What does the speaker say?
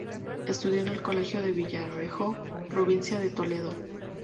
Estudió en el Colegio de Villarejo, provincia de Toledo.